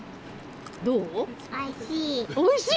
おいしい。